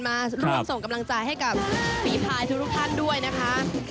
มาร่วมส่งกำลังจัยให้กับศรีทายทั้งทุกทางด้วยนะฮะ